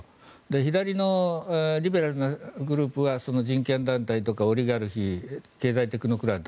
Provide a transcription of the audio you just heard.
左のリベラルのグループは人権団体とかオリガルヒ経済テクノクラート。